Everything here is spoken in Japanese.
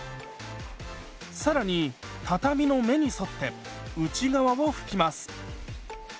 更に畳の目に沿って内側を拭きます。